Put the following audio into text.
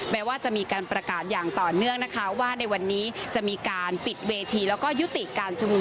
ว่าจะมีการประกาศอย่างต่อเนื่องนะคะว่าในวันนี้จะมีการปิดเวทีแล้วก็ยุติการชุมนุม